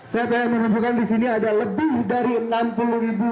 saya ingin menyambutkan disini ada lebih dari enam puluh ribu